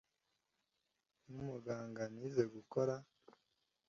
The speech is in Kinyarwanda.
Nkumuganga nize gukora